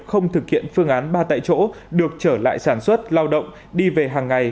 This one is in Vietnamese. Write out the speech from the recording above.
không thực hiện phương án ba tại chỗ được trở lại sản xuất lao động đi về hàng ngày